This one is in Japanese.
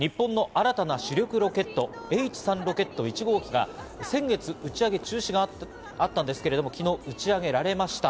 日本の新たな主力ロケット、Ｈ３ロケット１号機が先月、打ち上げ中止があったんですけれども、昨日打ち上げられました。